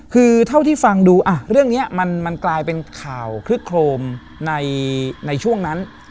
คือเท่าที่ฟังดูเรื่องนี้มันกลายเป็นข่าวคลึกโครมในช่วงนั้น